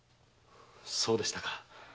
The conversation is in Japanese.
そうでしたか。